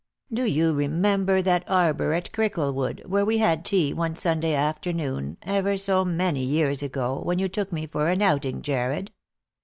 " Do you remember that arbour at Cricklewood, where we had tea one Sunday afternoon, ever so many years ago, when you took me for an outing, Jarred